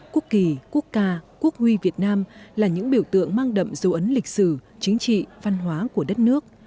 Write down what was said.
quốc kỳ quốc ca quốc huy việt nam là những biểu tượng mang đậm dấu ấn lịch sử chính trị văn hóa của đất nước